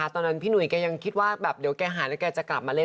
ตอนนั้นพี่หุยแกยังคิดว่าแบบเดี๋ยวแกหายแล้วแกจะกลับมาเล่น